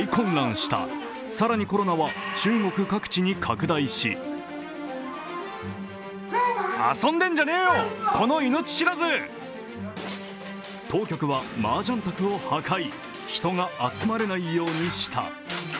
更にその頃、新型コロナは中国各地に拡大し、当局はマージャン卓を破壊、人が集まれないようにした。